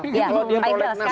kalau dia prolegnas tahunan